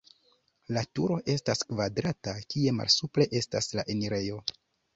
La turo estas kvadrata, kie malsupre estas la enirejo.